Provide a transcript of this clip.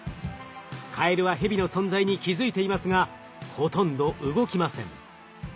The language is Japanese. カエルはヘビの存在に気付いていますがほとんど動きません。